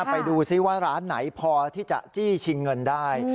ไปดูซิว่าร้านไหนพอที่จะจี้ชิงเงินได้